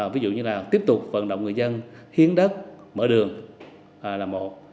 ví dụ như là tiếp tục vận động người dân hiến đất mở đường là một